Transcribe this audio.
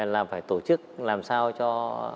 là phải tổ chức làm sao cho